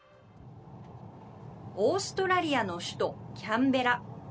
オーストラリアの首都キャンベラ。